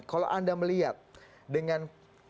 kalau anda melihat dengan